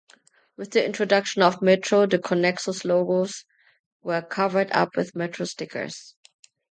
With the introduction of Metro, the Connex logos were covered up with Metro stickers.